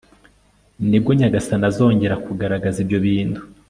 ni bwo nyagasani azongera kugaragaza ibyo bintu